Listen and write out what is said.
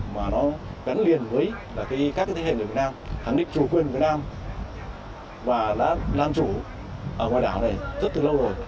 mà nó gắn liền với các thế hệ người việt nam khẳng định chủ quyền việt nam và đã làm chủ ở ngoài đảo này rất từ lâu rồi